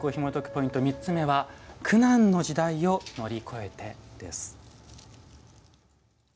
ポイント３つ目は「苦難の時代を乗り越えて」です。